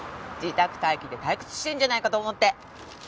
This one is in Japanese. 自宅待機で退屈してんじゃないかと思って。